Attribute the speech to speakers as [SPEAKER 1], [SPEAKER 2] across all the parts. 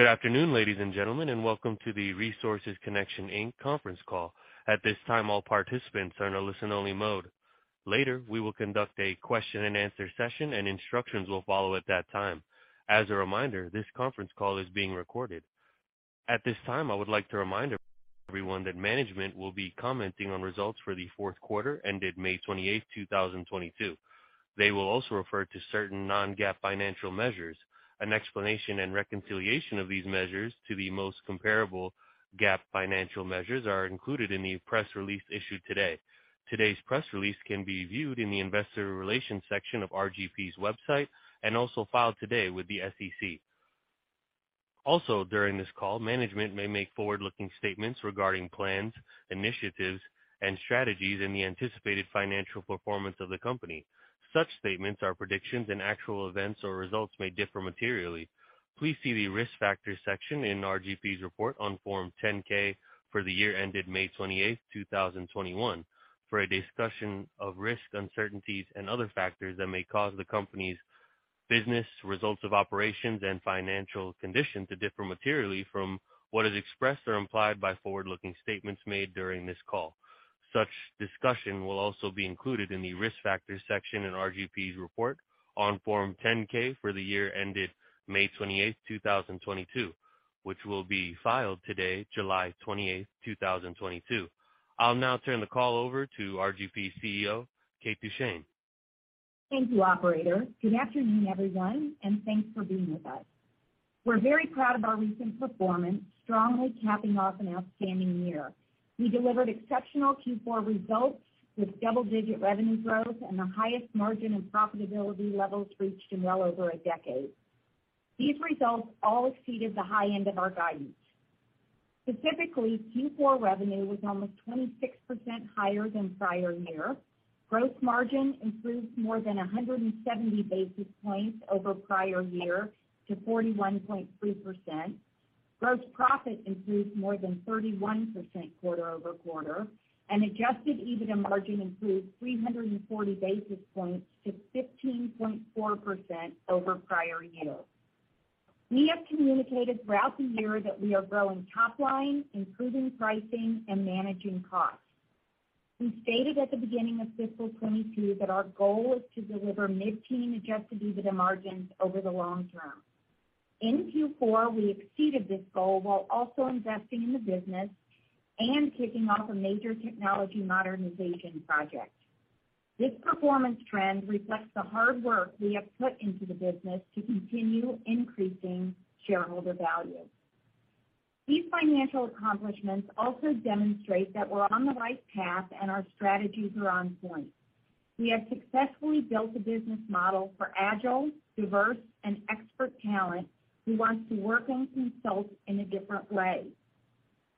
[SPEAKER 1] Good afternoon, ladies and gentlemen, and welcome to the Resources Connection, Inc. conference call. At this time, all participants are in a listen-only mode. Later, we will conduct a question-and-answer session and instructions will follow at that time. As a reminder, this conference call is being recorded. At this time, I would like to remind everyone that management will be commenting on results for the fourth quarter ended May 28th, 2022. They will also refer to certain non-GAAP financial measures. An explanation and reconciliation of these measures to the most comparable GAAP financial measures are included in the press release issued today. Today's press release can be viewed in the investor relations section of RGP's website and also filed today with the SEC. Also, during this call, management may make forward-looking statements regarding plans, initiatives, and strategies in the anticipated financial performance of the company. Such statements are predictions and actual events or results may differ materially. Please see the Risk Factors section in RGP's report on Form 10-K for the year ended May 28th, 2021 for a discussion of risks, uncertainties and other factors that may cause the company's business, results of operations, and financial condition to differ materially from what is expressed or implied by forward-looking statements made during this call. Such discussion will also be included in the Risk Factors section in RGP's report on Form 10-K for the year ended May 28th, 2022, which will be filed today, July 28th, 2022. I'll now turn the call over to RGP's CEO, Kate Duchene.
[SPEAKER 2] Thank you, operator. Good afternoon, everyone, and thanks for being with us. We're very proud of our recent performance, strongly capping off an outstanding year. We delivered exceptional Q4 results with double-digit revenue growth and the highest margin and profitability levels reached in well over a decade. These results all exceeded the high end of our guidance. Specifically, Q4 revenue was almost 26% higher than prior year. Gross margin improved more than 170 basis points over prior year to 41.3%. Gross profit improved more than 31% quarter-over-quarter, and adjusted EBITDA margin improved 340 basis points to 15.4% over prior year. We have communicated throughout the year that we are growing top line, improving pricing, and managing costs. We stated at the beginning of fiscal 2022 that our goal is to deliver mid-teen adjusted EBITDA margins over the long term. In Q4, we exceeded this goal while also investing in the business and kicking off a major technology modernization project. This performance trend reflects the hard work we have put into the business to continue increasing shareholder value. These financial accomplishments also demonstrate that we're on the right path and our strategies are on point. We have successfully built a business model for agile, diverse, and expert talent who wants to work in consulting in a different way.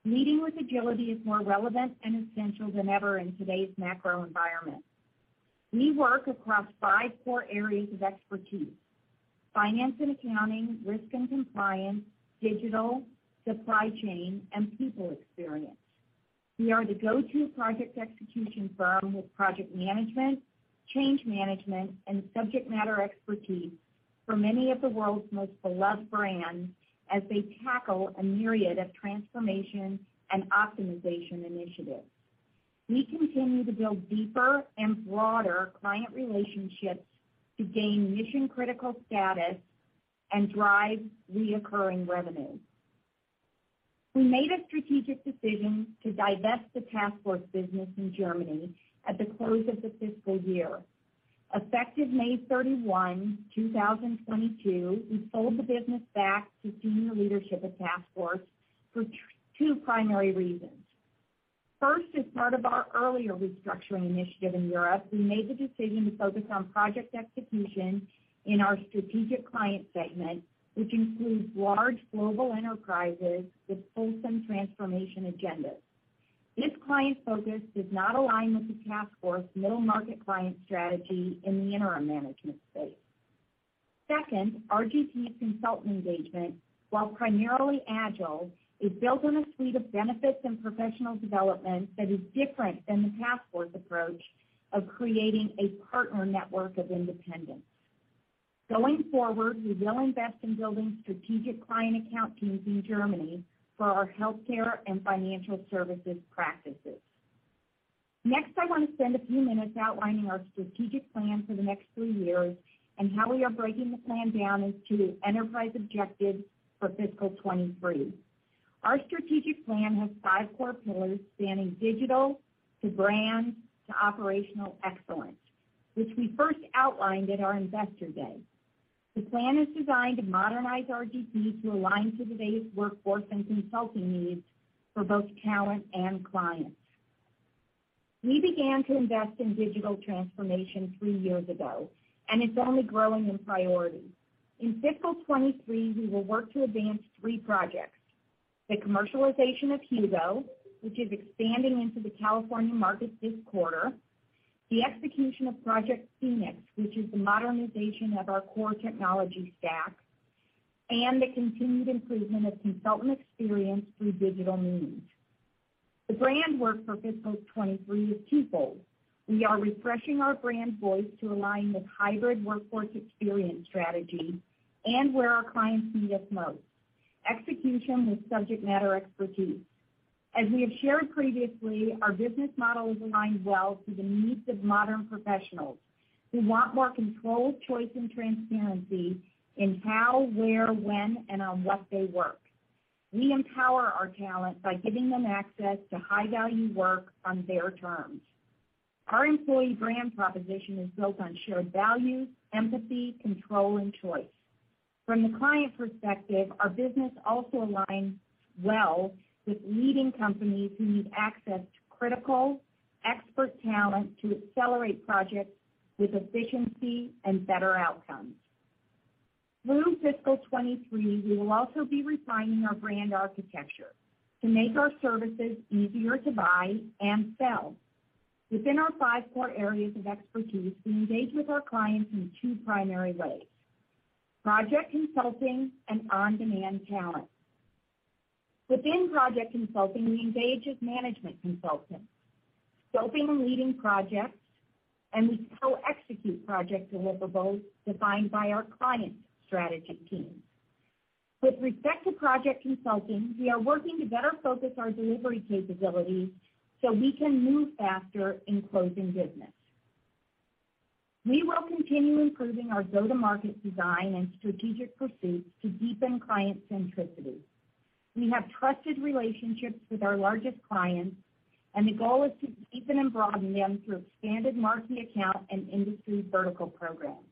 [SPEAKER 2] Leading with agility is more relevant and essential than ever in today's macro environment. We work across five core areas of expertise, finance and accounting, risk and compliance, digital, supply chain, and people experience. We are the go-to project execution firm with project management, change management, and subject matter expertise for many of the world's most beloved brands as they tackle a myriad of transformation and optimization initiatives. We continue to build deeper and broader client relationships to gain mission-critical status and drive recurring revenue. We made a strategic decision to divest the TaskForce business in Germany at the close of the fiscal year. Effective May 31st, 2022, we sold the business back to senior leadership at TaskForce for two primary reasons. First, as part of our earlier restructuring initiative in Europe, we made the decision to focus on project execution in our strategic client segment, which includes large global enterprises with wholesale transformation agendas. This client focus does not align with the TaskForce middle-market client strategy in the interim management space. Second, RGP's consultant engagement, while primarily agile, is built on a suite of benefits and professional development that is different than the TaskForce approach of creating a partner network of independents. Going forward, we will invest in building strategic client account teams in Germany for our healthcare and financial services practices. Next, I want to spend a few minutes outlining our strategic plan for the next three years and how we are breaking the plan down into enterprise objectives for fiscal 2023. Our strategic plan has five core pillars spanning digital to brand to operational excellence, which we first outlined at our Investor Day. The plan is designed to modernize RGP to align to today's workforce and consulting needs for both talent and clients. We began to invest in digital transformation three years ago, and it's only growing in priority. In fiscal 2023, we will work to advance three projects, the commercialization of HUGO, which is expanding into the California market this quarter, the execution of Project Phoenix, which is the modernization of our core technology stack, and the continued improvement of consultant experience through digital means. The brand work for fiscal 2023 is twofold. We are refreshing our brand voice to align with hybrid workforce experience strategy and where our clients need us most, execution with subject matter expertise. As we have shared previously, our business model is aligned well to the needs of modern professionals who want more control, choice, and transparency in how, where, when, and on what they work. We empower our talent by giving them access to high-value work on their terms. Our employee brand proposition is built on shared values, empathy, control, and choice. From the client perspective, our business also aligns well with leading companies who need access to critical expert talent to accelerate projects with efficiency and better outcomes. Through fiscal 2023, we will also be refining our brand architecture to make our services easier to buy and sell. Within our five core areas of expertise, we engage with our clients in two primary ways, project consulting and on-demand talent. Within project consulting, we engage as management consultants, scoping and leading projects, and we co-execute project deliverables defined by our clients' strategic teams. With respect to project consulting, we are working to better focus our delivery capabilities so we can move faster in closing business. We will continue improving our go-to-market design and strategic pursuits to deepen client centricity. We have trusted relationships with our largest clients, and the goal is to deepen and broaden them through expanded marketing account and industry vertical programs.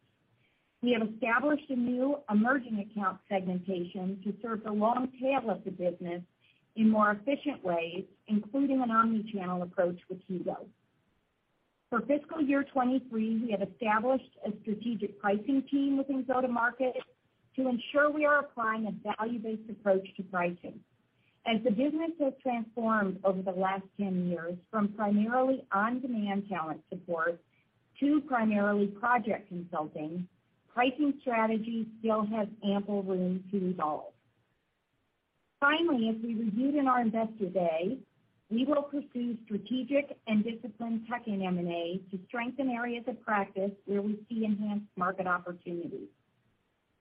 [SPEAKER 2] We have established a new emerging account segmentation to serve the long tail of the business in more efficient ways, including an omni-channel approach with HUGO. For fiscal year 2023, we have established a strategic pricing team within go-to-market to ensure we are applying a value-based approach to pricing. As the business has transformed over the last 10 years from primarily on-demand talent support to primarily project consulting, pricing strategy still has ample room to evolve. Finally, as we reviewed in our Investor Day, we will pursue strategic and disciplined tech and M&A to strengthen areas of practice where we see enhanced market opportunities.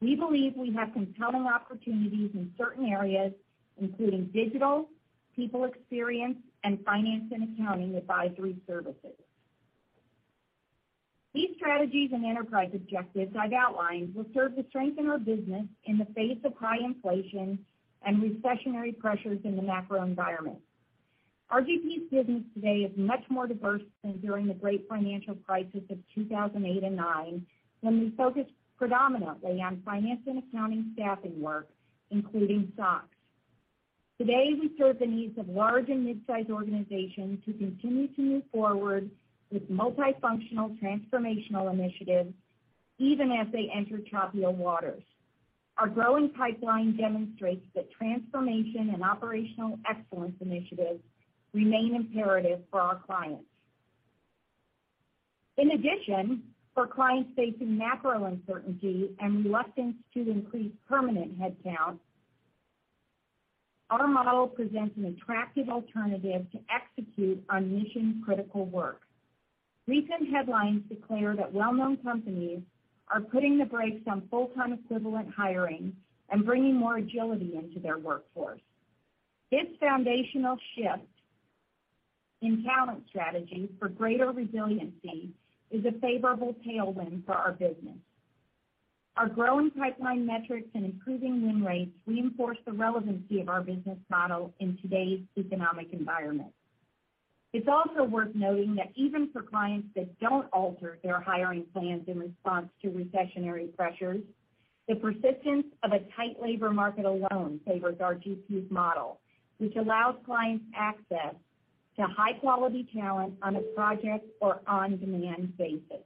[SPEAKER 2] We believe we have compelling opportunities in certain areas, including digital, people experience, and finance and accounting advisory services. These strategies and enterprise objectives I've outlined will serve to strengthen our business in the face of high inflation and recessionary pressures in the macro environment. RGP's business today is much more diverse than during the great financial crisis of 2008 and 2009, when we focused predominantly on finance and accounting staffing work, including SOX. Today, we serve the needs of large and mid-sized organizations who continue to move forward with multifunctional transformational initiatives even as they enter choppier waters. Our growing pipeline demonstrates that transformation and operational excellence initiatives remain imperative for our clients. In addition, for clients facing macro uncertainty and reluctance to increase permanent headcount, our model presents an attractive alternative to execute on mission-critical work. Recent headlines declare that well-known companies are putting the brakes on full-time equivalent hiring and bringing more agility into their workforce. This foundational shift in talent strategy for greater resiliency is a favorable tailwind for our business. Our growing pipeline metrics and improving win rates reinforce the relevancy of our business model in today's economic environment. It's also worth noting that even for clients that don't alter their hiring plans in response to recessionary pressures, the persistence of a tight labor market alone favors RGP's model, which allows clients access to high-quality talent on a project or on-demand basis.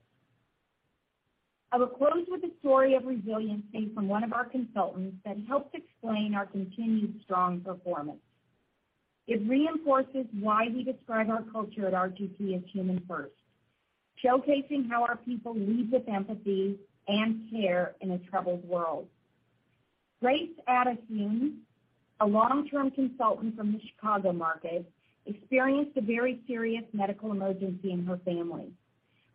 [SPEAKER 2] I will close with a story of resiliency from one of our consultants that helps explain our continued strong performance. It reinforces why we describe our culture at RGP as human first, showcasing how our people lead with empathy and care in a troubled world. Grace Adesoun, a long-term consultant from the Chicago market, experienced a very serious medical emergency in her family.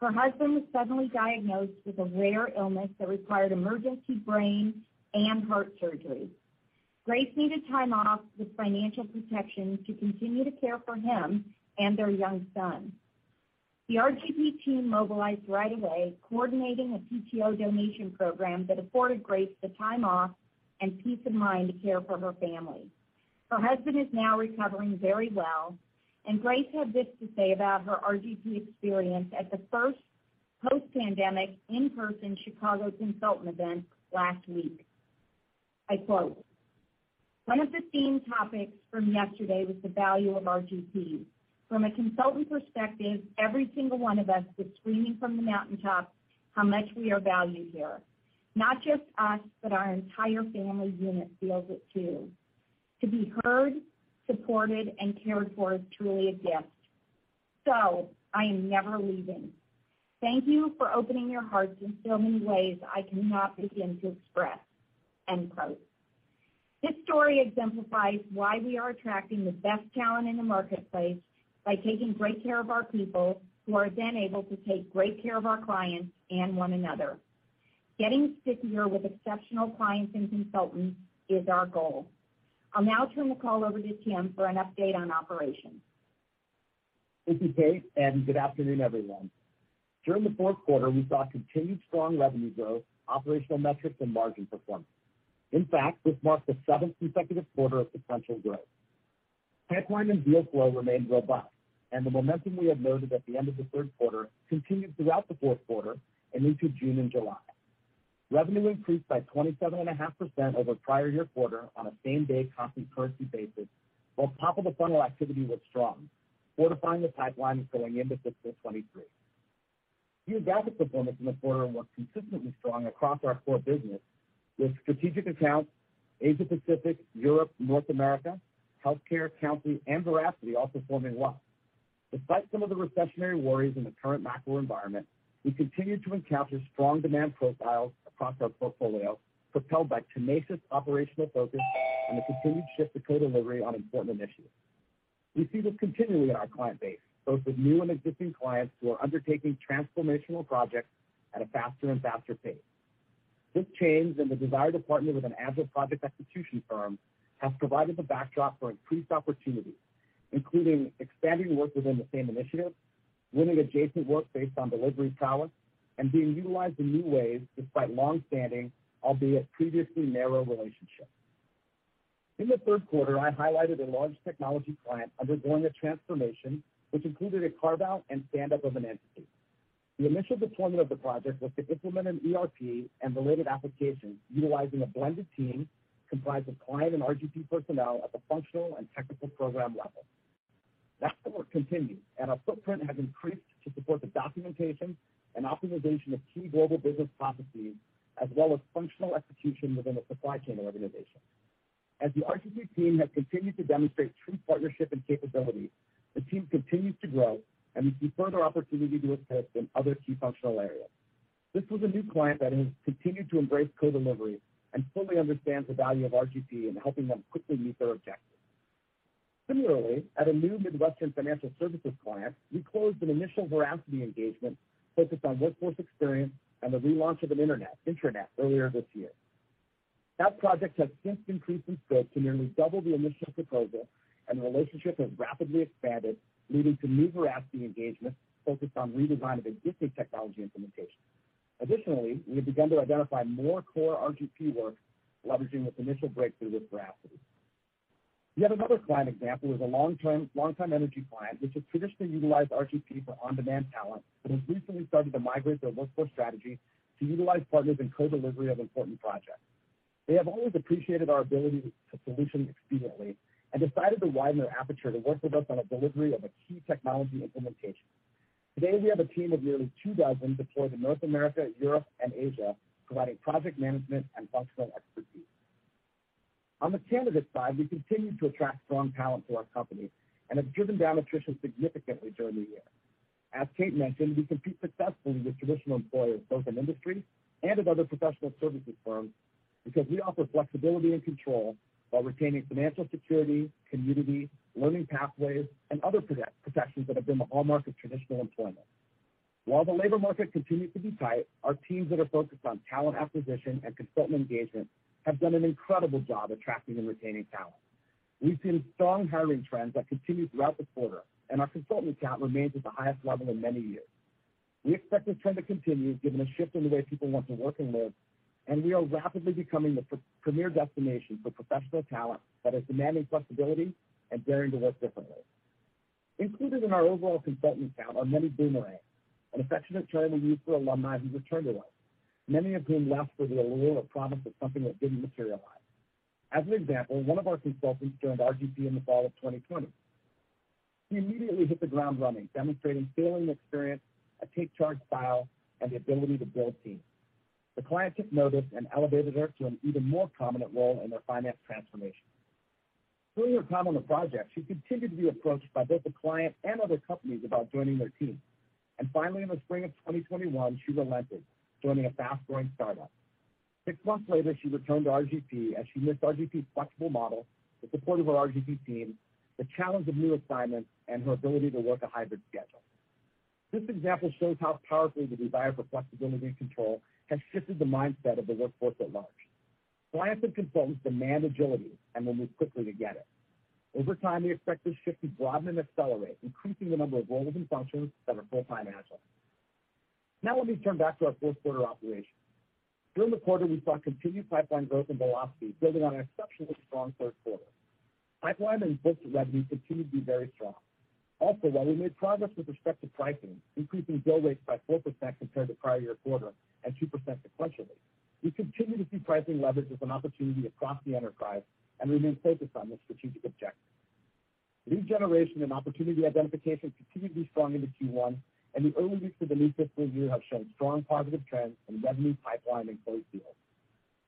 [SPEAKER 2] Her husband was suddenly diagnosed with a rare illness that required emergency brain and heart surgery. Grace needed time off with financial protection to continue to care for him and their young son. The RGP team mobilized right away, coordinating a PTO donation program that afforded Grace the time off and peace of mind to care for her family. Her husband is now recovering very well, and Grace had this to say about her RGP experience at the first post-pandemic in-person Chicago consultant event last week. I quote, "One of the theme topics from yesterday was the value of RGP. From a consultant perspective, every single one of us was screaming from the mountaintop how much we are valued here. Not just us, but our entire family unit feels it too. To be heard, supported, and cared for is truly a gift. I am never leaving. Thank you for opening your hearts in so many ways I cannot begin to express." End quote. This story exemplifies why we are attracting the best talent in the marketplace by taking great care of our people, who are then able to take great care of our clients and one another. Getting stickier with exceptional clients and consultants is our goal. I'll now turn the call over to Tim for an update on operations.
[SPEAKER 3] Thank you, Kate, and good afternoon, everyone. During the fourth quarter, we saw continued strong revenue growth, operational metrics, and margin performance. In fact, this marked the seventh consecutive quarter of sequential growth. Pipeline and deal flow remained robust, and the momentum we had noted at the end of the third quarter continued throughout the fourth quarter and into June and July. Revenue increased by 27.5% over prior year quarter on a same-day constant currency basis, while top of the funnel activity was strong, fortifying the pipelines going into fiscal 2023. Geographic performance in the quarter was consistently strong across our core business with strategic accounts, Asia Pacific, Europe, North America, healthcare, Countsy and Veracity all performing well. Despite some of the recessionary worries in the current macro environment, we continue to encounter strong demand profiles across our portfolio, propelled by tenacious operational focus and the continued shift to co-delivery on important initiatives. We see this continually in our client base, both with new and existing clients who are undertaking transformational projects at a faster and faster pace. This change and the desire to partner with an agile project execution firm has provided the backdrop for increased opportunities, including expanding work within the same initiative, winning adjacent work based on delivery prowess, and being utilized in new ways despite long-standing, albeit previously narrow relationships. In the third quarter, I highlighted a large technology client undergoing a transformation which included a carve-out and stand-up of an entity. The initial deployment of the project was to implement an ERP and related applications utilizing a blended team comprised of client and RGP personnel at the functional and technical program level. That work continues, and our footprint has increased to support the documentation and optimization of key global business processes, as well as functional execution within a supply chain organization. As the RGP team has continued to demonstrate true partnership and capability, the team continues to grow, and we see further opportunity to assist in other key functional areas. This was a new client that has continued to embrace co-delivery and fully understands the value of RGP in helping them quickly meet their objectives. Similarly, at a new Midwestern financial services client, we closed an initial Veracity engagement focused on workforce experience and the relaunch of an intranet earlier this year. That project has since increased in scope to nearly double the initial proposal, and the relationship has rapidly expanded, leading to new Veracity engagements focused on redesign of existing technology implementations. Additionally, we have begun to identify more core RGP work leveraging this initial breakthrough with Veracity. The other client example is a long-term, long-time energy client which has traditionally utilized RGP for on-demand talent but has recently started to migrate their workforce strategy to utilize partners in co-delivery of important projects. They have always appreciated our ability to solution expediently and decided to widen their aperture to work with us on a delivery of a key technology implementation. Today, we have a team of nearly two dozen deployed in North America, Europe and Asia, providing project management and functional expertise. On the candidate side, we continue to attract strong talent to our company and have driven down attrition significantly during the year. As Kate mentioned, we compete successfully with traditional employers both in industry and at other professional services firms because we offer flexibility and control while retaining financial security, community, learning pathways and other protections that have been the hallmark of traditional employment. While the labor market continues to be tight, our teams that are focused on talent acquisition and consultant engagement have done an incredible job attracting and retaining talent. We've seen strong hiring trends that continue throughout the quarter, and our consultant count remains at the highest level in many years. We expect this trend to continue given the shift in the way people want to work and live, and we are rapidly becoming the premier destination for professional talent that is demanding flexibility and daring to work differently. Included in our overall consultant count are many boomerangs, an affectionate term we use for alumni who returned to us, many of whom left for the allure or promise of something that didn't materialize. As an example, one of our consultants joined RGP in the fall of 2020. She immediately hit the ground running, demonstrating field experience, a take charge style and the ability to build teams. The client took notice and elevated her to an even more prominent role in their finance transformation. During her time on the project, she continued to be approached by both the client and other companies about joining their team. Finally, in the spring of 2021, she relented, joining a fast-growing startup. Six months later, she returned to RGP as she missed RGP's flexible model, the support of her RGP team, the challenge of new assignments, and her ability to work a hybrid schedule. This example shows how powerfully the desire for flexibility and control has shifted the mindset of the workforce at large. Clients and consultants demand agility and will move quickly to get it. Over time, we expect this shift to broaden and accelerate, increasing the number of roles and functions that are full-time agile. Now let me turn back to our fourth quarter operations. During the quarter, we saw continued pipeline growth and velocity building on an exceptionally strong third quarter. Pipeline and booked revenue continued to be very strong. Also, while we made progress with respect to pricing, increasing bill rates by 4% compared to prior year quarter at 2% sequentially, we continue to see pricing leverage as an opportunity across the enterprise and remain focused on this strategic objective. Lead generation and opportunity identification continued to be strong into Q1, and the early weeks of the new fiscal year have shown strong positive trends in revenue pipeline and closed deals.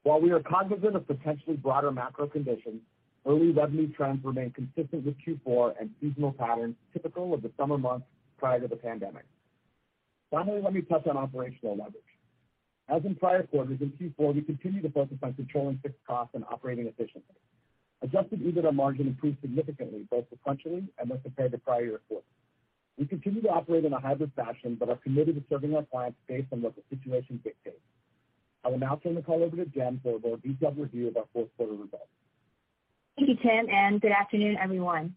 [SPEAKER 3] While we are cognizant of potentially broader macro conditions, early revenue trends remain consistent with Q4 and seasonal patterns typical of the summer months prior to the pandemic. Finally, let me touch on operational leverage. As in prior quarters, in Q4, we continued to focus on controlling fixed costs and operating efficiently. Adjusted EBITDA margin improved significantly, both sequentially and when compared to prior year quarter. We continue to operate in a hybrid fashion, but are committed to serving our clients based on what the situation dictates. I will now turn the call over to Jen for a more detailed review of our fourth quarter results.
[SPEAKER 4] Thank you, Tim, and good afternoon, everyone.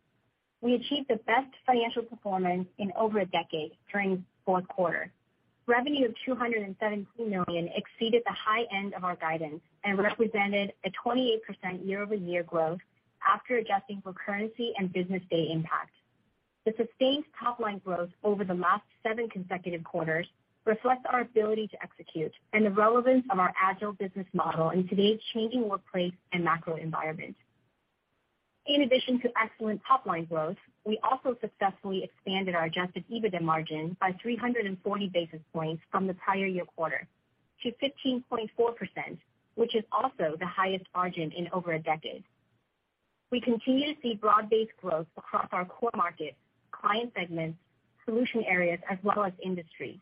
[SPEAKER 4] We achieved the best financial performance in over a decade during fourth quarter. Revenue of $217 million exceeded the high end of our guidance and represented a 28% year-over-year growth after adjusting for currency and business day impact. The sustained top line growth over the last seven consecutive quarters reflects our ability to execute and the relevance of our agile business model in today's changing workplace and macro environment. In addition to excellent top line growth, we also successfully expanded our adjusted EBITDA margin by 340 basis points from the prior year quarter to 15.4%, which is also the highest margin in over a decade. We continue to see broad-based growth across our core markets, client segments, solution areas, as well as industries.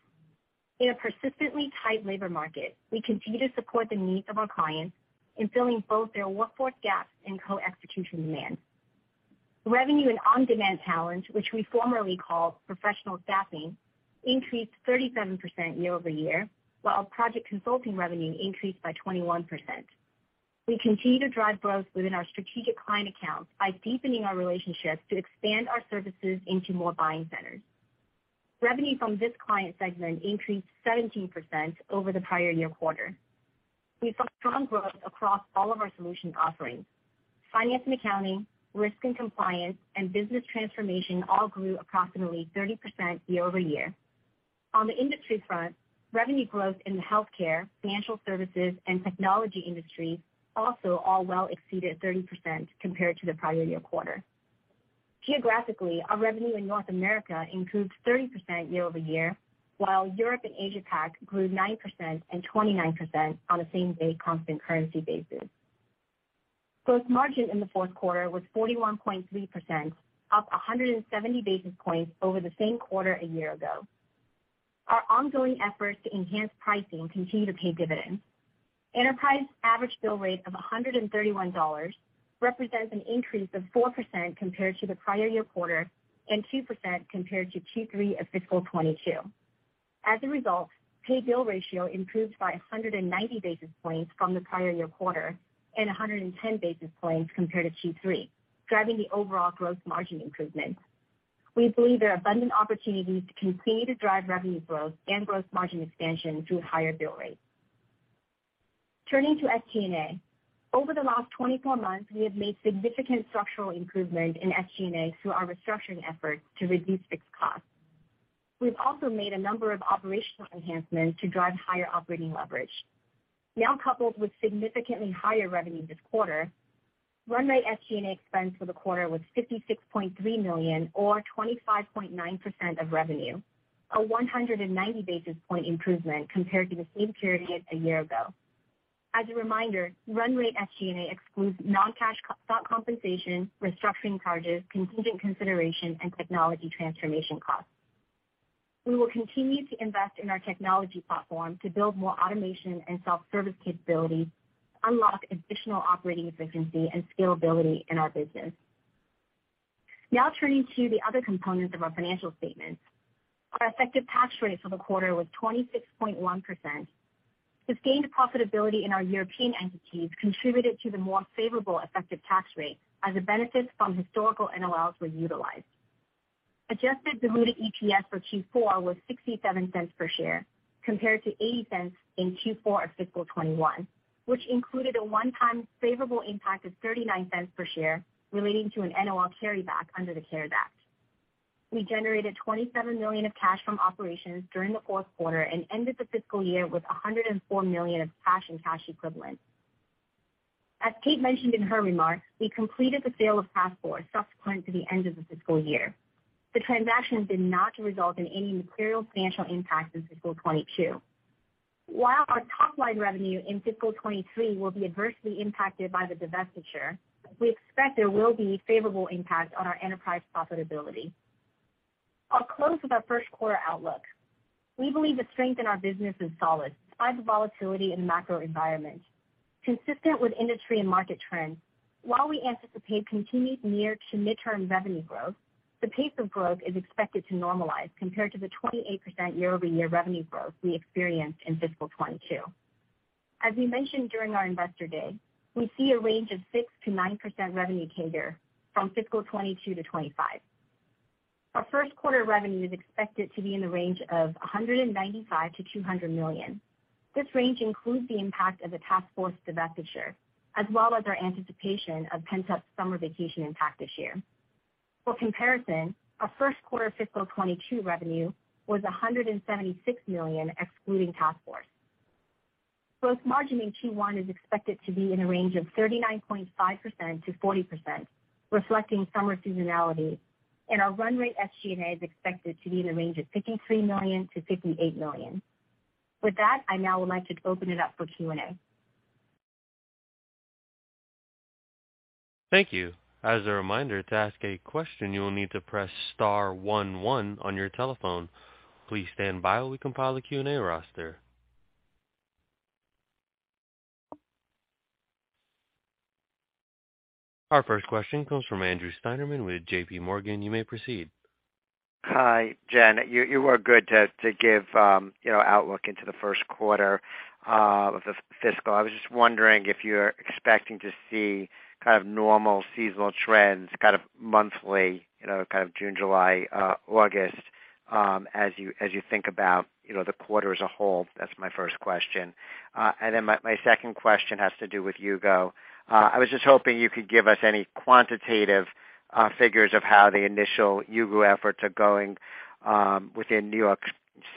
[SPEAKER 4] In a persistently tight labor market, we continue to support the needs of our clients in filling both their workforce gaps and co-execution demands. Revenue in on-demand talent, which we formerly called professional staffing, increased 37% year-over-year, while project consulting revenue increased by 21%. We continue to drive growth within our strategic client accounts by deepening our relationships to expand our services into more buying centers. Revenue from this client segment increased 17% over the prior year quarter. We saw strong growth across all of our solution offerings. Finance and accounting, risk and compliance, and business transformation all grew approximately 30% year-over-year. On the industry front, revenue growth in the healthcare, financial services, and technology industries also all well exceeded 30% compared to the prior year quarter. Geographically, our revenue in North America improved 30% year-over-year, while Europe and Asia Pac grew 9% and 29% on the same-day constant currency basis. Gross margin in the fourth quarter was 41.3%, up 170 basis points over the same quarter a year ago. Our ongoing efforts to enhance pricing continue to pay dividends. Enterprise average bill rate of $131 represents an increase of 4% compared to the prior year quarter and 2% compared to Q3 of fiscal 2022. As a result, pay bill ratio improved by 190 basis points from the prior year quarter and 110 basis points compared to Q3, driving the overall gross margin improvements. We believe there are abundant opportunities to continue to drive revenue growth and gross margin expansion through higher bill rates. Turning to SG&A. Over the last 24 months, we have made significant structural improvements in SG&A through our restructuring efforts to reduce fixed costs. We've also made a number of operational enhancements to drive higher operating leverage. Now coupled with significantly higher revenue this quarter, run rate SG&A expense for the quarter was $56.3 million or 25.9% of revenue, a 190 basis point improvement compared to the same period a year ago. As a reminder, run rate SG&A excludes non-cash stock compensation, restructuring charges, contingent consideration, and technology transformation costs. We will continue to invest in our technology platform to build more automation and self-service capabilities to unlock additional operating efficiency and scalability in our business. Now turning to the other components of our financial statements. Our effective tax rate for the quarter was 26.1%. The gain in profitability in our European entities contributed to the more favorable effective tax rate as the benefits from historical NOLs were utilized. Adjusted diluted EPS for Q4 was $0.67 per share, compared to $0.80 in Q4 of fiscal 2021, which included a one-time favorable impact of $0.39 per share relating to an NOL carryback under the CARES Act. We generated $27 million of cash from operations during the fourth quarter and ended the fiscal year with $104 million of cash and cash equivalents. As Kate mentioned in her remarks, we completed the sale of taskforce subsequent to the end of the fiscal year. The transaction did not result in any material financial impact in fiscal 2022. While our top line revenue in fiscal 2023 will be adversely impacted by the divestiture, we expect there will be favorable impact on our enterprise profitability. I'll close with our first quarter outlook. We believe the strength in our business is solid despite the volatility in the macro environment. Consistent with industry and market trends, while we anticipate continued near to midterm revenue growth, the pace of growth is expected to normalize compared to the 28% year-over-year revenue growth we experienced in fiscal 2022. As we mentioned during our Investor Day, we see a range of 6%-9% revenue CAGR from fiscal 2022 to 2025. Our first quarter revenue is expected to be in the range of $195 million-$200 million. This range includes the impact of the TaskForce divestiture as well as our anticipation of pent-up summer vacation impact this year. For comparison, our first quarter fiscal 2022 revenue was $176 million excluding TaskForce. Gross margin in Q1 is expected to be in a range of 39.5%-40%, reflecting summer seasonality. Our run rate SG&A is expected to be in the range of $53 million-$58 million. With that, I now would like to open it up for Q&A.
[SPEAKER 1] Thank you. As a reminder, to ask a question, you will need to press star one one on your telephone. Please stand by while we compile the Q&A roster. Our first question comes from Andrew Steinerman with JPMorgan. You may proceed.
[SPEAKER 5] Hi, Jen. You were good to give you know outlook into the first quarter of the fiscal. I was just wondering if you're expecting to see kind of normal seasonal trends, kind of monthly, you know, kind of June, July, August, as you think about, you know, the quarter as a whole. That's my first question. And then my second question has to do with HUGO. I was just hoping you could give us any quantitative figures of how the initial HUGO efforts are going within New York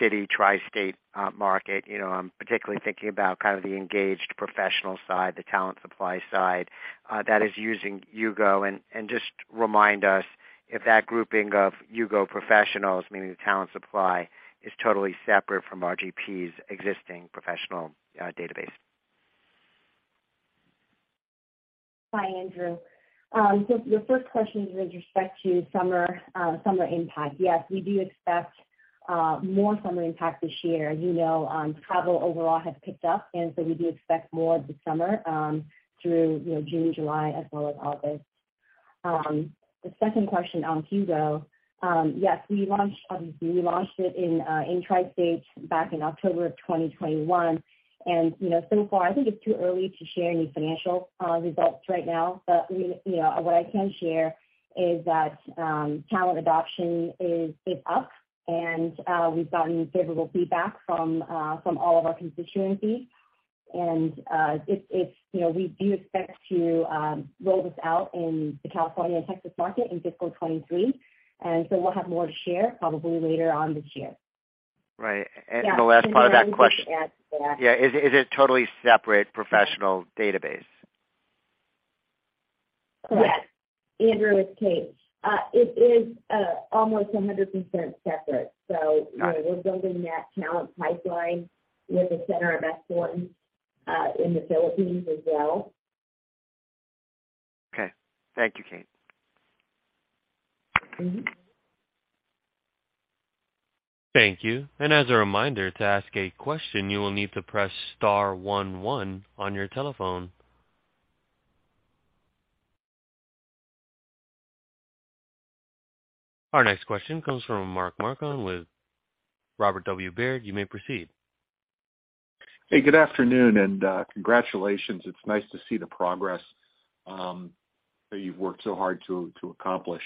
[SPEAKER 5] City Tri-State market. You know, I'm particularly thinking about kind of the engaged professional side, the talent supply side that is using HUGO. And just remind us if that grouping of HUGO professionals, meaning the talent supply, is totally separate from RGP's existing professional database.
[SPEAKER 4] Hi, Andrew. Your first question is with respect to summer impact. Yes, we do expect more summer impact this year. You know, travel overall has picked up, and so we do expect more this summer through, you know, June, July as well as August. The second question on HUGO. Yes, we launched it in Tri-State back in October of 2021. You know, so far, I think it's too early to share any financial results right now. You know, what I can share is that talent adoption is up, and we've gotten favorable feedback from all of our constituencies. You know, we do expect to roll this out in the California and Texas market in fiscal 2023. We'll have more to share probably later on this year.
[SPEAKER 5] Right.
[SPEAKER 4] Yeah.
[SPEAKER 5] The last part of that question.
[SPEAKER 2] This is Kate.
[SPEAKER 5] Yeah. Is it totally separate professional database?
[SPEAKER 2] Yes. Andrew, it's Kate. It is almost 100% separate.
[SPEAKER 5] Got it.
[SPEAKER 2] You know, we're building that talent pipeline with the center of excellence in the Philippines as well.
[SPEAKER 5] Okay. Thank you, Kate.
[SPEAKER 2] Mm-hmm.
[SPEAKER 1] Thank you. As a reminder, to ask a question, you will need to press star one one on your telephone. Our next question comes from Mark Marcon with Robert W. Baird. You may proceed.
[SPEAKER 6] Hey, good afternoon, and congratulations. It's nice to see the progress that you've worked so hard to accomplish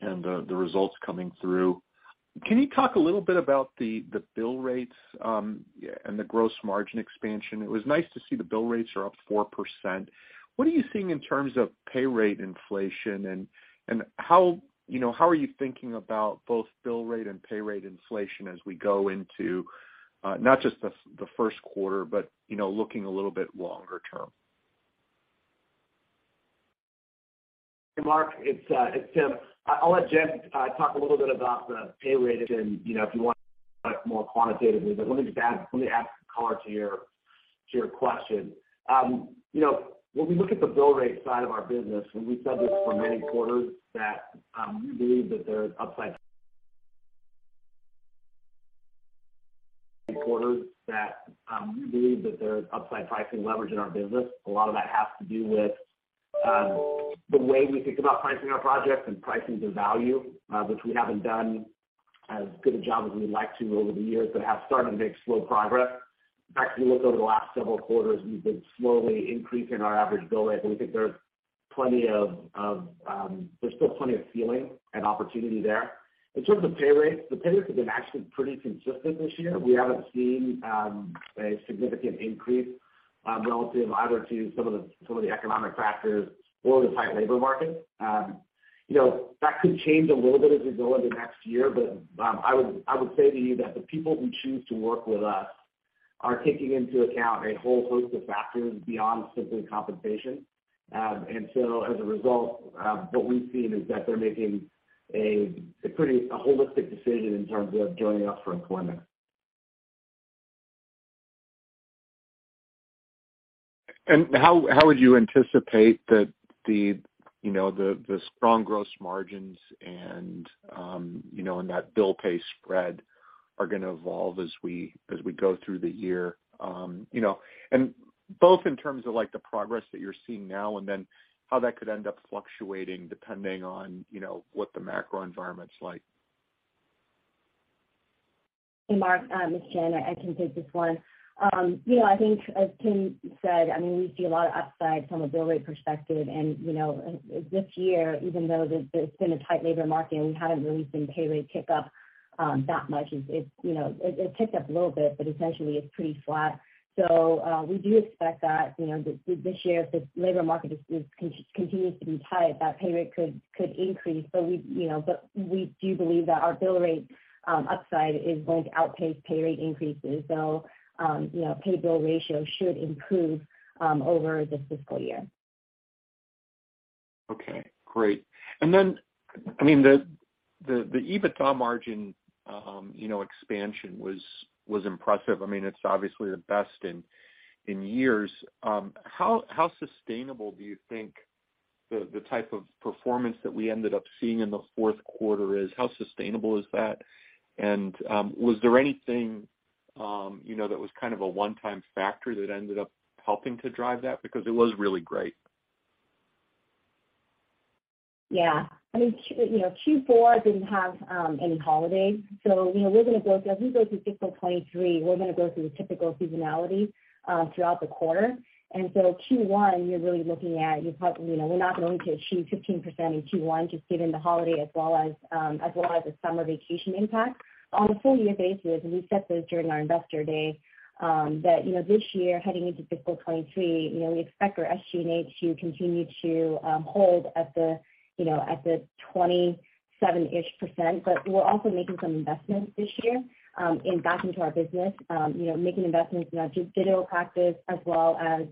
[SPEAKER 6] and the results coming through. Can you talk a little bit about the bill rates, yeah, and the gross margin expansion? It was nice to see the bill rates are up 4%. What are you seeing in terms of pay rate inflation and how, you know, how are you thinking about both bill rate and pay rate inflation as we go into not just the first quarter, but, you know, looking a little bit longer term?
[SPEAKER 3] Hey, Mark, it's Tim. I'll let Jen talk a little bit about the pay rate and, you know, if you want more quantitatively, but let me just add some color to your question. You know, when we look at the bill rate side of our business, and we've said this for many quarters, we believe that there's upside pricing leverage in our business. A lot of that has to do with the way we think about pricing our projects and pricing the value, which we haven't done as good a job as we'd like to over the years, but have started to make slow progress. In fact, if you look over the last several quarters, we've been slowly increasing our average bill rate, but we think there's still plenty of ceiling and opportunity there. In terms of pay rates, the pay rates have been actually pretty consistent this year. We haven't seen a significant increase relative either to some of the economic factors or the tight labor market. You know, that could change a little bit as we go over the next year, but I would say to you that the people who choose to work with us are taking into account a whole host of factors beyond simply compensation. As a result, what we've seen is that they're making a pretty holistic decision in terms of joining us for employment.
[SPEAKER 6] How would you anticipate that the strong gross margins and that bill pay spread are gonna evolve as we go through the year? You know, both in terms of, like, the progress that you're seeing now and then how that could end up fluctuating depending on, you know, what the macro environment's like.
[SPEAKER 4] Mark, it's Jen. I can take this one. You know, I think as Tim said, I mean, we see a lot of upside from a bill rate perspective and, you know, this year, even though there's been a tight labor market and we haven't really seen pay rate tick up that much. It's you know it ticked up a little bit, but essentially it's pretty flat. We do expect that, you know, this year, if the labor market continues to be tight, that pay rate could increase. But we, you know, do believe that our bill rate upside is going to outpace pay rate increases. You know, pay bill ratio should improve over this fiscal year.
[SPEAKER 6] Okay, great. I mean, the EBITDA margin, you know, expansion was impressive. I mean, it's obviously the best in years. How sustainable do you think the type of performance that we ended up seeing in the fourth quarter is? How sustainable is that? Was there anything, you know, that was kind of a one-time factor that ended up helping to drive that? Because it was really great.
[SPEAKER 4] Yeah. I mean, Q4 didn't have any holidays. So, you know, we're gonna go through, as we go through fiscal 2023, we're gonna go through the typical seasonality throughout the quarter. Q1, you're really looking at, you probably, you know, we're not going to achieve 15% in Q1 just given the holiday as well as the summer vacation impact. On a full year basis, we said this during our Investor Day, that, you know, this year, heading into fiscal 2023, you know, we expect our SG&A to continue to hold at the, you know, at the 27%. We're also making some investments this year back into our business, you know, making investments in our digital practice as well as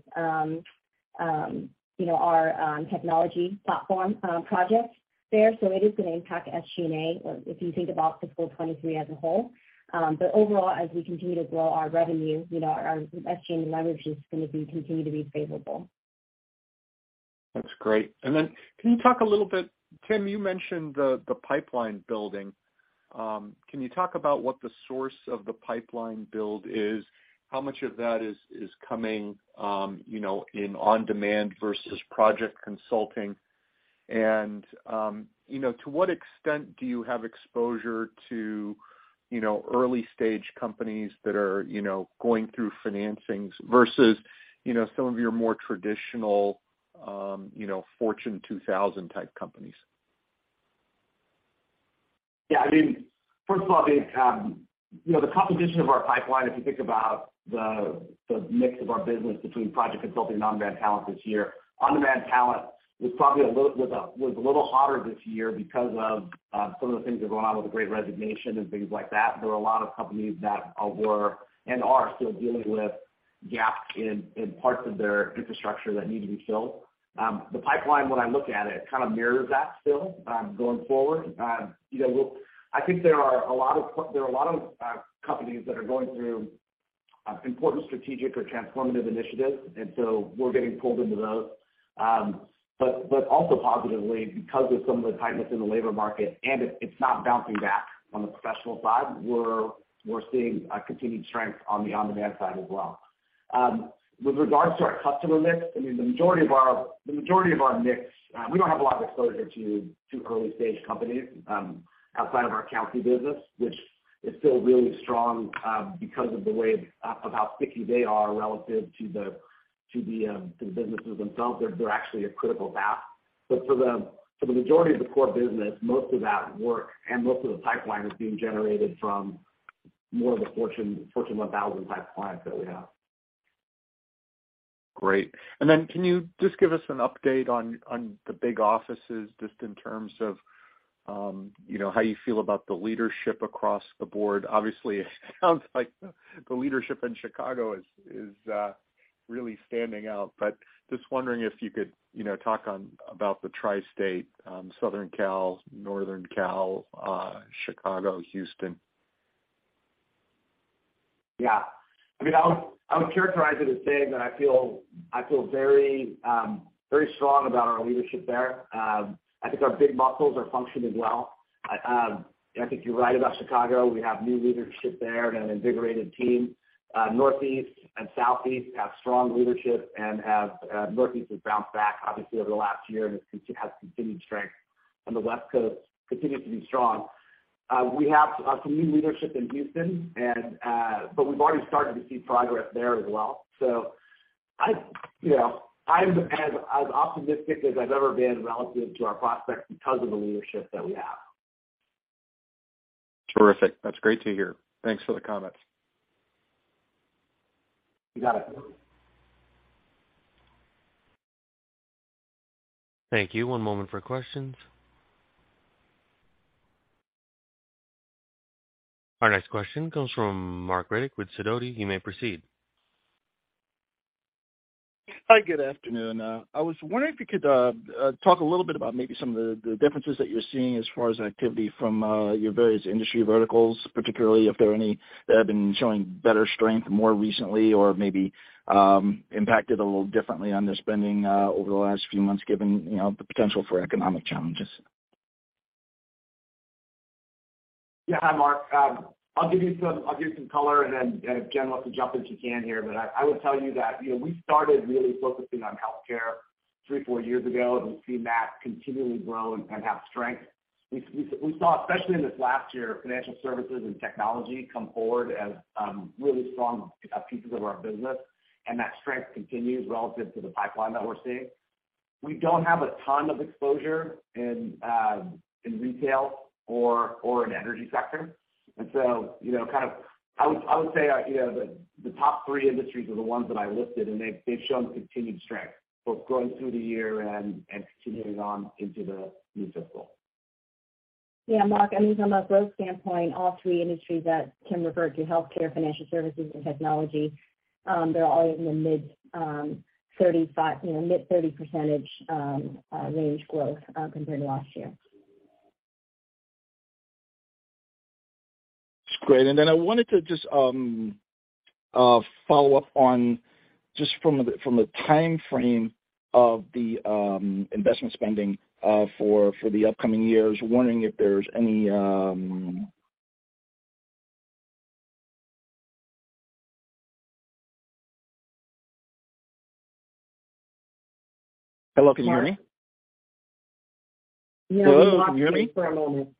[SPEAKER 4] our technology platform projects there. It is gonna impact SG&A, or if you think about fiscal 2023 as a whole. Overall, as we continue to grow our revenue, you know, our SG&A leverage is gonna continue to be favorable.
[SPEAKER 6] That's great. Can you talk a little bit, Tim, you mentioned the pipeline building. Can you talk about what the source of the pipeline build is? How much of that is coming, you know, in on-demand versus project consulting? To what extent do you have exposure to, you know, early stage companies that are, you know, going through financings versus, you know, some of your more traditional, you know, Fortune 2000 type companies?
[SPEAKER 3] Yeah, I mean, first of all, I think, you know, the composition of our pipeline, if you think about the mix of our business between project consulting and on-demand talent this year, on-demand talent was probably a little hotter this year because of some of the things that were going on with the Great Resignation and things like that. There were a lot of companies that were and are still dealing with gaps in parts of their infrastructure that need to be filled. The pipeline, when I look at it, kind of mirrors that still going forward. You know, I think there are a lot of companies that are going through important strategic or transformative initiatives, and so we're getting pulled into those. Also positively, because of some of the tightness in the labor market, and it's not bouncing back on the professional side, we're seeing continued strength on the on-demand side as well. With regards to our customer mix, I mean, the majority of our mix, we don't have a lot of exposure to early stage companies outside of our accounting business, which is still really strong, because of the way of how sticky they are relative to the businesses themselves. They're actually a critical path. For the majority of the core business, most of that work and most of the pipeline is being generated from more of the Fortune 1000 type clients that we have.
[SPEAKER 6] Great. Can you just give us an update on the big offices just in terms of, you know, how you feel about the leadership across the board? Obviously, it sounds like the leadership in Chicago is really standing out, but just wondering if you could, you know, talk about the tri-state, Southern Cal, Northern Cal, Chicago, Houston.
[SPEAKER 3] Yeah. I mean, I would characterize it as saying that I feel very strong about our leadership there. I think our big muscles are functioning well. I think you're right about Chicago. We have new leadership there and an invigorated team. Northeast and Southeast have strong leadership and Northeast has bounced back obviously over the last year and has continued strength. The West Coast continues to be strong. We have some new leadership in Houston, but we've already started to see progress there as well. I, you know, I'm as optimistic as I've ever been relative to our prospects because of the leadership that we have.
[SPEAKER 6] Terrific. That's great to hear. Thanks for the comments.
[SPEAKER 3] You got it.
[SPEAKER 1] Thank you. One moment for questions. Our next question comes from Marc Riddick with Sidoti. You may proceed.
[SPEAKER 7] Hi, good afternoon. I was wondering if you could talk a little bit about maybe some of the differences that you're seeing as far as activity from your various industry verticals, particularly if there are any that have been showing better strength more recently or maybe impacted a little differently on the spending over the last few months, given you know the potential for economic challenges.
[SPEAKER 3] Yeah. Hi, Mark. I'll give you some color and then Jen wants to jump in she can here. I will tell you that, you know, we started really focusing on healthcare three, four years ago, and we've seen that continually grow and have strength. We saw, especially in this last year, financial services and technology come forward as really strong pieces of our business, and that strength continues relative to the pipeline that we're seeing. We don't have a ton of exposure in retail or in energy sector. You know, I would say the top three industries are the ones that I listed, and they've shown continued strength, both going through the year and continuing on into the new fiscal.
[SPEAKER 4] Yeah, Mark, I mean, from a growth standpoint, all three industries that Tim referred to, healthcare, financial services, and technology, they're all in the mid-30% range growth, compared to last year.
[SPEAKER 7] That's great. I wanted to just follow up on just from the timeframe of the investment spending for the upcoming years. Wondering if there's any. Hello, can you hear me?
[SPEAKER 4] Mark.
[SPEAKER 2] Yeah, you lost me for a moment.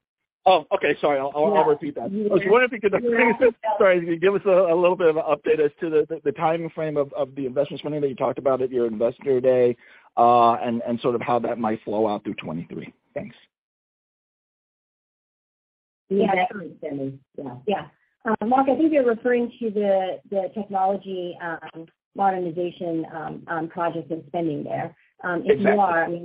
[SPEAKER 7] Oh, okay. Sorry. I'll repeat that.
[SPEAKER 4] Yeah.
[SPEAKER 7] I was wondering if you could.
[SPEAKER 2] You lost us.
[SPEAKER 7] Sorry, if you could give us a little bit of update as to the timeframe of the investment spending that you talked about at your Investor Day, and sort of how that might flow out through 2023. Thanks.
[SPEAKER 4] The investment spending.
[SPEAKER 2] Yeah.
[SPEAKER 4] Yeah. Mark, I think you're referring to the technology modernization project and spending there.
[SPEAKER 7] That's right.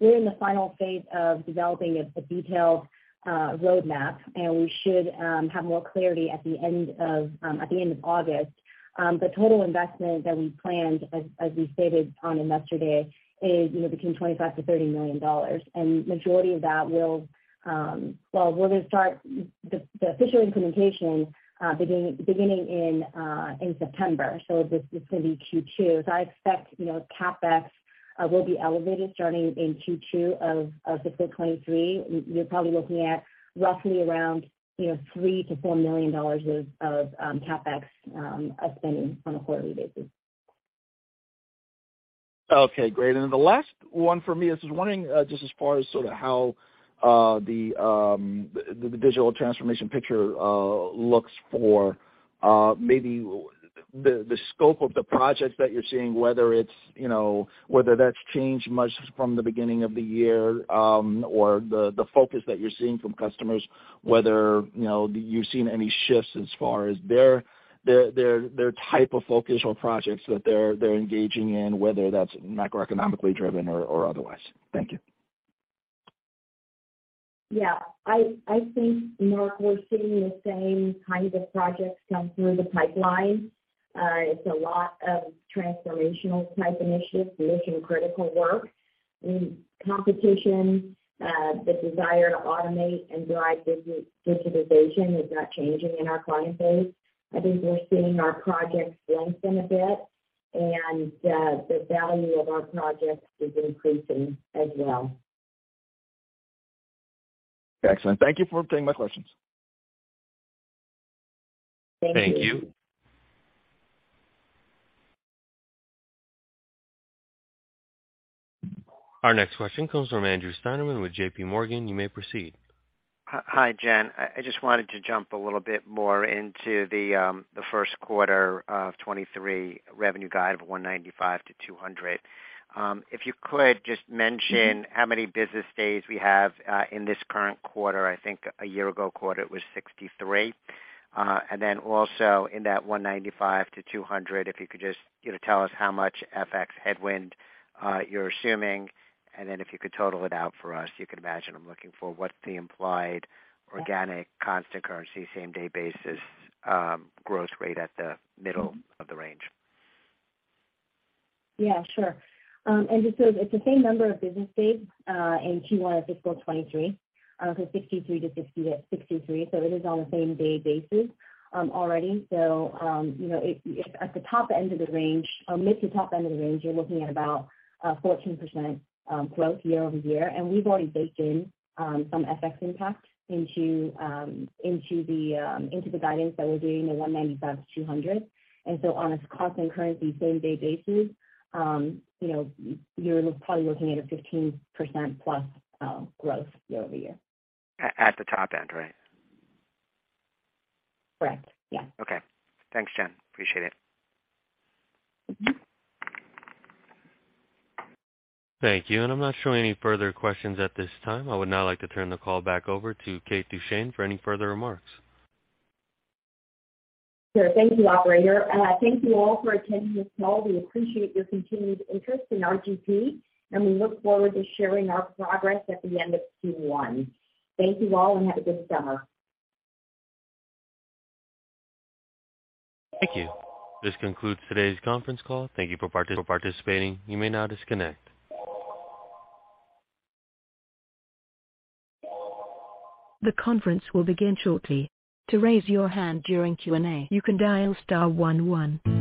[SPEAKER 4] We're in the final phase of developing a detailed roadmap, and we should have more clarity at the end of August. The total investment that we planned as we stated on Investor Day is, you know, between $25 million-$30 million. Majority of that will. Well, we're gonna start the official implementation beginning in September. This is gonna be Q2. I expect, you know, CapEx will be elevated starting in Q2 of fiscal 2023. You're probably looking at roughly around, you know, $3 million-$4 million of CapEx of spending on a quarterly basis.
[SPEAKER 7] Okay, great. The last one for me, I was just wondering, just as far as sort of how the digital transformation picture looks for the scope of the projects that you're seeing, whether it's, you know, whether that's changed much from the beginning of the year, or the focus that you're seeing from customers, whether, you know, you've seen any shifts as far as their type of focus or projects that they're engaging in, whether that's macroeconomically driven or otherwise. Thank you.
[SPEAKER 2] Yeah. I think, Mark, we're seeing the same kind of projects come through the pipeline. It's a lot of transformational type initiatives, mission-critical work. Competition, the desire to automate and drive digitization is not changing in our client base. I think we're seeing our projects strengthen a bit, and the value of our projects is increasing as well.
[SPEAKER 7] Excellent. Thank you for taking my questions.
[SPEAKER 4] Thank you.
[SPEAKER 1] Thank you. Our next question comes from Andrew Steinerman with JPMorgan. You may proceed.
[SPEAKER 5] Hi, Jen. I just wanted to jump a little bit more into the first quarter of 2023 revenue guide of $195 million-$200 million. If you could just mention-
[SPEAKER 4] Mm-hmm
[SPEAKER 5] How many business days we have in this current quarter. I think a year ago quarter it was 63. Also in that $195 million-$200million, if you could just, you know, tell us how much FX headwind you're assuming, and then if you could total it out for us. You can imagine I'm looking for what's the implied organic constant currency same day basis growth rate at the middle.
[SPEAKER 4] Mm-hmm.
[SPEAKER 5] of the range.
[SPEAKER 4] Yeah, sure. It's the same number of business days in Q1 of fiscal 2023. 63 to 66 to 63. It is on the same-day basis already. You know, at the top end of the range or mid to top end of the range, you're looking at about 14% growth year-over-year. We've already baked in some FX impact into the guidance that we're giving of $195 million-$200 million. On a constant-currency same-day basis, you know, you're probably looking at a 15%+ growth year-over-year.
[SPEAKER 5] At the top end, right?
[SPEAKER 4] Correct. Yeah.
[SPEAKER 5] Okay. Thanks, Jen. Appreciate it.
[SPEAKER 4] Mm-hmm.
[SPEAKER 1] Thank you. I'm not showing any further questions at this time. I would now like to turn the call back over to Kate Duchene for any further remarks.
[SPEAKER 2] Sure. Thank you, operator. Thank you all for attending this call. We appreciate your continued interest in RGP, and we look forward to sharing our progress at the end of Q1. Thank you all, and have a good summer.
[SPEAKER 1] Thank you. This concludes today's conference call. Thank you for participating. You may now disconnect. The conference will begin shortly. To raise your hand during Q&A, you can dial star one one.